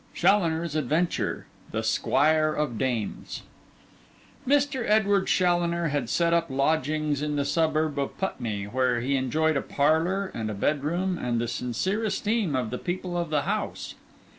CHALLONER'S ADVENTURE THE SQUIRE OF DAMES Mr. Edward Challoner had set up lodgings in the suburb of Putney, where he enjoyed a parlour and bedroom and the sincere esteem of the people of the house.